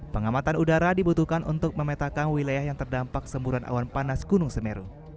pengamatan udara dibutuhkan untuk memetakan wilayah yang terdampak semburan awan panas gunung semeru